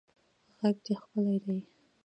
غږ دې ښکلی دی